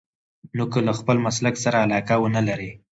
نو که له خپل مسلک سره علاقه ونه لرئ.